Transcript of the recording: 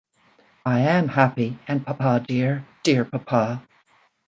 I am happy — and papa, dear, dear papa!